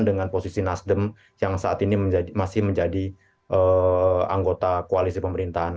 dengan posisi nasdem yang saat ini masih menjadi anggota koalisi pemerintahan